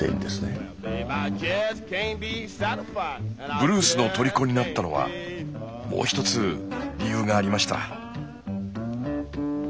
ブルースのとりこになったのはもう１つ理由がありました。